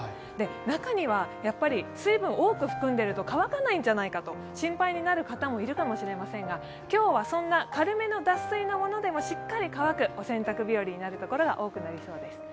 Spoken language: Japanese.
中には、水分を多く含んでると乾かないんじゃないかと、心配になる方もいるかもしれませんが今日はそんな軽めの脱水のものでもしっかり乾くお洗濯日和になるところが多くなりそうです。